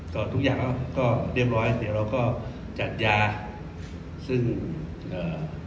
ก็ทุกอย่างเขาก็เรียบร้อยเดี๋ยวเราก็จัดยาซึ่งเอ่อ